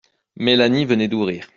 Mélanie venait d'ouvrir.